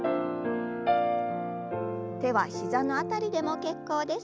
手は膝の辺りでも結構です。